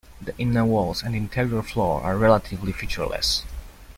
The inner walls and interior floor are relatively featureless.